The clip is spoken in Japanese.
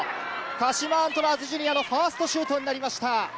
鹿島アントラーズジュニアのファーストシュートになりました。